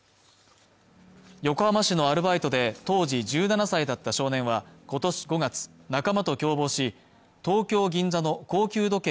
横浜市のアルバイトで当時１７歳だった少年はことし５月仲間と共謀し東京銀座の高級時計